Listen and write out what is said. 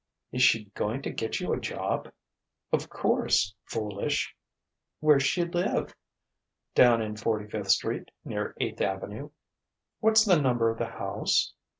"Is she going to get you a job?" "Of course foolish!" "Where's she live?" "Down in Forty fifth Street, near Eighth Avenue." "What's the number of the house?"